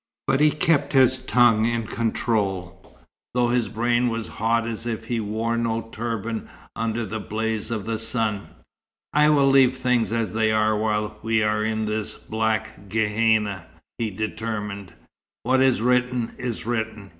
But he kept his tongue in control, though his brain was hot as if he wore no turban, under the blaze of the sun. "I will leave things as they are while we are in this black Gehenna," he determined. "What is written is written.